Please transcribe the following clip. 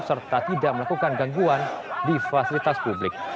serta tidak melakukan gangguan di fasilitas publik